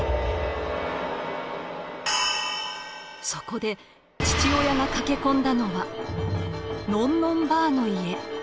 そこで父親が駆け込んだのはのんのんばあの家。